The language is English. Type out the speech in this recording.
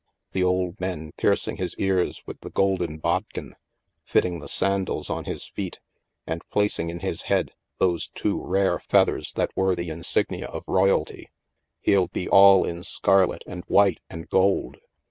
The old men piercing his ears with the golden bodkin, fitting the sandals on his feet, and placing in his head those two rare feathers that were the 250 THE MASK insignia of royalty. He'll be all in scarlet and white and gold.